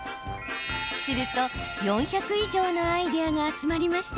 すると４００以上のアイデアが集まりました。